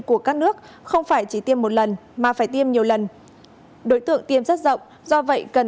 của các nước không phải chỉ tiêm một lần mà phải tiêm nhiều lần đối tượng tiêm rất rộng do vậy cần